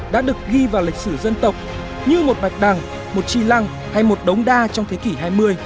đã được ghi vào lịch sử dân tộc như một bạch đằng một chi lăng hay một đống đa trong thế kỷ hai mươi